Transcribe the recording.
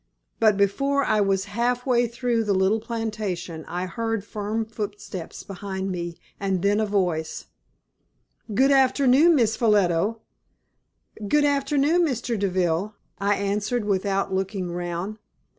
But before I was half way through the little plantation I heard firm footsteps behind me and then a voice "Good afternoon, Miss Ffolliot!" "Good afternoon, Mr. Deville," I answered, without looking round.